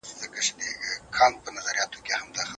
قانون د نظم او مسؤلیت احساس پیاوړی کوي.